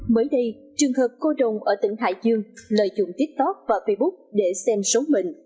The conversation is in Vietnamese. mới đây trường hợp cô đồng ở tỉnh hải dương lợi dụng tiktok và facebook để xem số mệnh